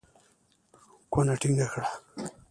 کونه ټينګه کړه.